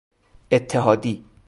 اتحادی